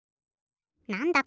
なんだ？